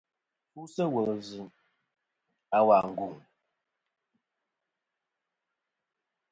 Fu sɨ̂ wùl ɨ̀ vzɨ̀ a wa ngùŋ.